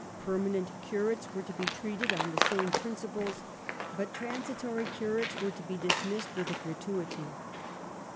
Permanent curates were to be treated on the same principles, but " transi tory " curates were to be dismissed with a gratuity.